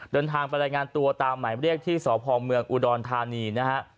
เดินทางไปรายงานตัวตามหมายเรียกที่สพเมืองอุดรธานีนะฮะ